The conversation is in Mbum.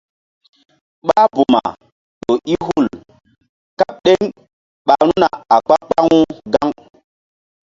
Ɓáh buma ƴo i hul kaɓ ɗeŋ ɓa ru̧na a kpa-kpaŋu gaŋ.